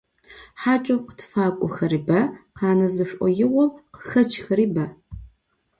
Хьакӏэу къытфакӏохэри бэ, къанэ зышӏоигъоу къыхэкӏхэри бэ.